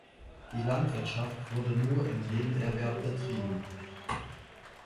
Die Landwirtschaft wurde nur im Nebenerwerb betrieben.